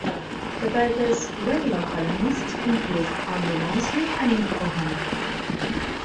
The paper's regular columnists include Andrew Rawnsley and Nick Cohen.